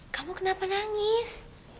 kamu kenapa nangis